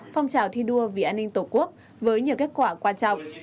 phong trào thi đua vì an ninh tổ quốc với nhiều kết quả quan trọng